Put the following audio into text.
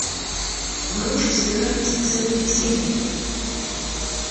Грошы збіраюць цэлымі сем'ямі.